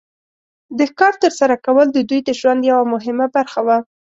د ښکار تر سره کول د دوی د ژوند یو مهمه برخه وه.